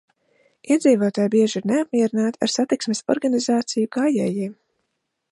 Iedzīvotāji bieži ir neapmierināti ar satiksmes organizāciju gājējiem.